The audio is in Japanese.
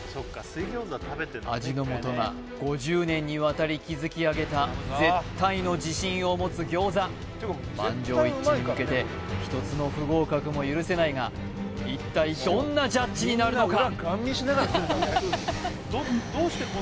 味の素が５０年にわたり築き上げた絶対の自信を持つ餃子満場一致に向けて１つの不合格も許せないが一体どんなジャッジになるのか？